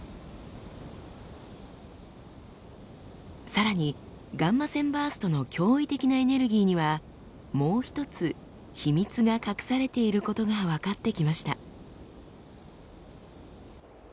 さらにガンマ線バーストの驚異的なエネルギーにはもう一つ秘密が隠されていることが分かってきました。